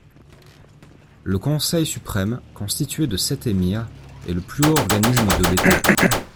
Le Conseil suprême, constitué des sept émirs, est le plus haut organisme de l'État.